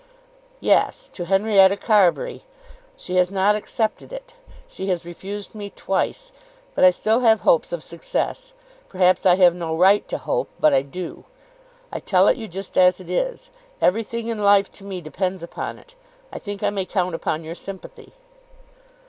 "Yes; to Henrietta Carbury. She has not accepted it. She has refused me twice. But I still have hopes of success. Perhaps I have no right to hope, but I do. I tell it you just as it is. Everything in life to me depends upon it. I think I may count upon your sympathy."